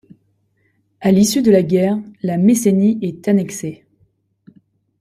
À l'issue de la guerre, la Messénie est annexée.